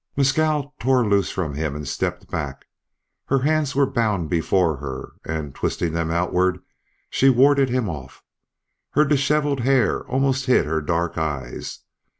Mescal tore loose from him and stepped back. Her hands were bound before her, and twisting them outward, she warded him off. Her dishevelled hair almost hid her dark eyes.